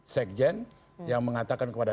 sekjen yang mengatakan kepada